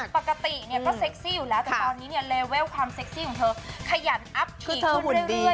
ปกติเนี่ยก็เซ็กซี่อยู่แล้วแต่ตอนนี้เนี่ยเลเวลความเซ็กซี่ของเธอขยันอัพชุดขึ้นเรื่อย